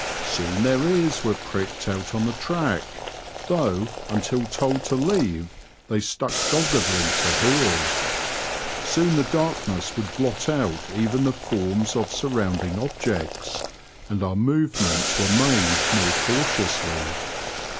Soon their ears were pricked out on the track, though until told to leave they stuck doggedly to heel. Soon the darkness would blot out even the forms of surrounding objects, and our movements were made more cautiously.